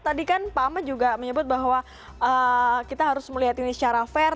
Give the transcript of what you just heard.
tadi kan pak ahmad juga menyebut bahwa kita harus melihat ini secara fair